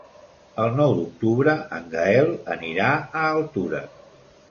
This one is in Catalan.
El nou d'octubre en Gaël anirà a Altura.